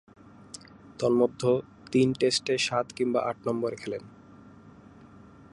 তন্মধ্যে, তিন টেস্টে সাত কিংবা আট নম্বরে খেলেন।